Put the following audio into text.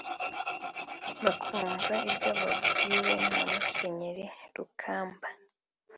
bakumva ibyo babwiwe na Musenyeri Rukamba